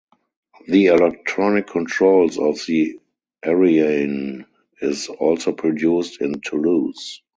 The electronic controls of the Ariane is also produced in Toulouse.